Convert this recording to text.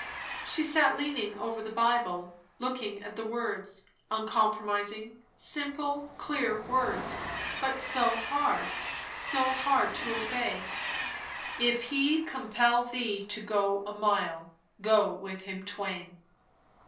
She sat leaning over the Bible, looking at the words; uncompromising, simple, clear words, but so hard, so hard, to obey! "If he compel thee to go a mile, go with him twain."